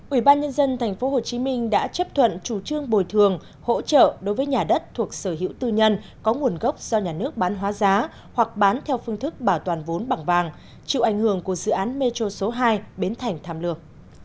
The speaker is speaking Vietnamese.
ủy ban nhân dân tp hcm đã chấp thuận chủ trương bồi thường hỗ trợ đối với nhà đất thuộc sở hữu tư nhân có nguồn gốc do nhà nước bán hóa giá hoặc bán theo phương thức bảo toàn vốn bằng vàng chịu ảnh hưởng của dự án metro số hai biến thành tham lược